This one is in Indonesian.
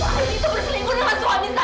aini itu berselingkuh dengan suami saya